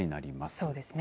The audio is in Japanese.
そうですね。